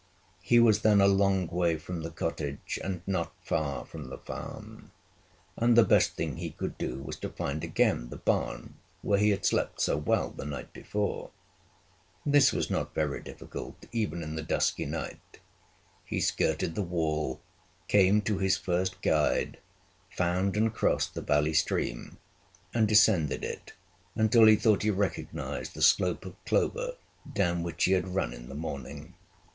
He was then a long way from the cottage, and not far from the farm; and the best thing he could do was to find again the barn where he had slept so well the night before. This was not very difficult even in the dusky night. He skirted the wall, came to his first guide, found and crossed the valley stream, and descended it until he thought he recognized the slope of clover down which he had run in the morning.